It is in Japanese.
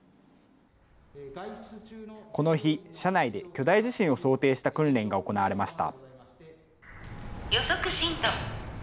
この日、社内で巨大地震を想定した訓練が行われました。